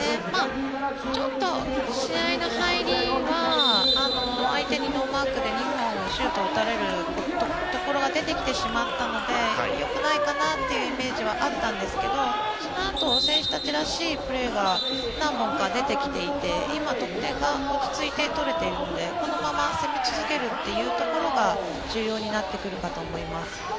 ちょっと試合の入りは相手にノーマークで２本、シュートを打たれるところが出てきてしまったのでよくないかなというイメージがあったんですがそのあと選手たちらしいプレーが何度か出てきていて今、得点が落ち着いて取れているのでこのまま攻め続けることが重要になってくるかと思います。